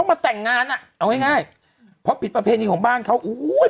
มาแต่งงานอ่ะเอาง่ายง่ายเพราะผิดประเพณีของบ้านเขาอุ้ย